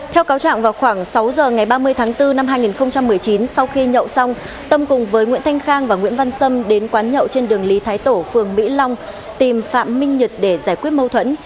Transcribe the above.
theo cáo trạng vào khoảng sáu giờ ngày ba mươi tháng bốn năm hai nghìn một mươi chín sau khi nhậu xong tâm cùng với nguyễn thanh khang và nguyễn văn sâm đến quán nhậu trên đường lý thái tổ phường mỹ long tìm phạm minh nhật để giải quyết mâu thuẫn